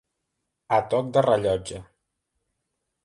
A toc de rellotge.